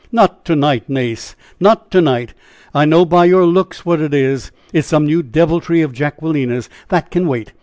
"Not to night, Nace! Not to night! I know by your looks what it is! It is some new deviltry of Jacquelina's. That can wait!